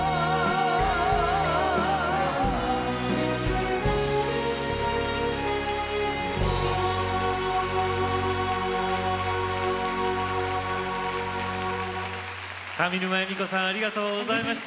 ラララ上沼恵美子さんありがとうございました。